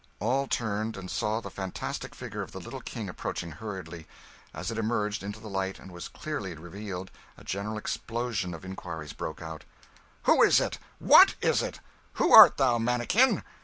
All turned, and saw the fantastic figure of the little King approaching hurriedly; as it emerged into the light and was clearly revealed, a general explosion of inquiries broke out "Who is it? What is it? Who art thou, manikin?"